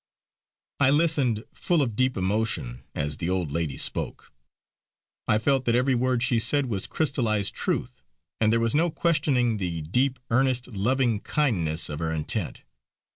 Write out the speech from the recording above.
I listened full of deep emotion as the old lady spoke. I felt that every word she said was crystallised truth; and there was no questioning the deep, earnest, loving kindness of her intent.